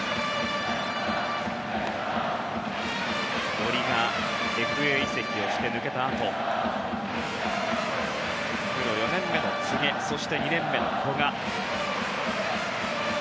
森がＦＡ移籍をして抜けたあとプロ４年目の柘植そして２年目の古賀。